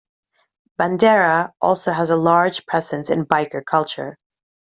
Bandera also has a large presence in biker culture.